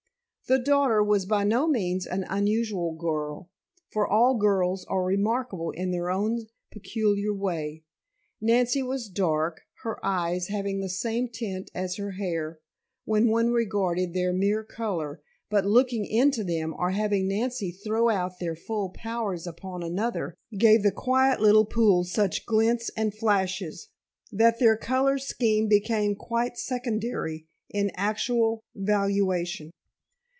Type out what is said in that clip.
The daughter was by no means an unusual girl, for all girls are remarkable in their own peculiar way. Nancy was dark, her eyes having the same tint as her hair when one regarded their mere color, but looking into them or having Nancy throw out their full powers upon another, gave the quiet little pools such glints and flashes, that their color scheme became quite secondary in actual valuation.